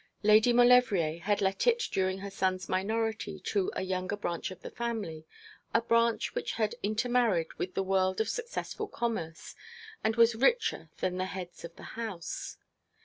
Lady Maulevrier had let it during her son's minority to a younger branch of the family, a branch which had intermarried with the world of successful commerce, and was richer than the heads of the house.